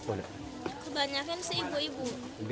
kebanyakan sih ibu ibu